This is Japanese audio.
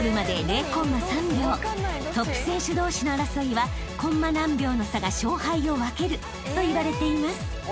［トップ選手同士の争いはコンマ何秒の差が勝敗を分けるといわれています］